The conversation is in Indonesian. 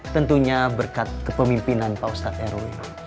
tentunya berkat kepemimpinan pak ustadz erwin